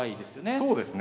そうですね。